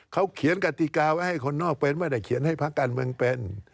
เขาเขียนกติกาไว้ให้คนนอกเป็นไม่ได้เขียนให้พักการเมืองเป็น